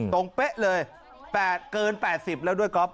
เป๊ะเลยเกิน๘๐แล้วด้วยก๊อฟ